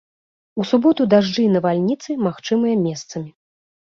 У суботу дажджы і навальніцы магчымыя месцамі.